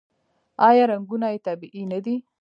آیا رنګونه یې طبیعي نه دي؟